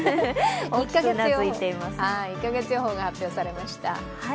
１か月予報が発表されました。